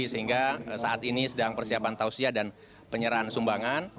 sehingga saat ini sedang persiapan tausia dan penyerahan sumbangan